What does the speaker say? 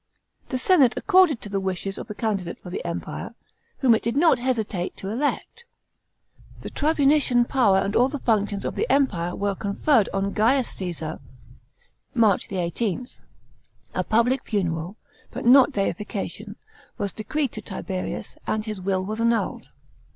The senate acceded to the wishes of the candidate for the Empire, whom it did not hesitate to elect. The tribunician power and all the functions of the Empire were conferred on Gaius Caesar* (March 18) ; a public funeral, but not deification, was decreed to Tiberius ; and his will was annulled.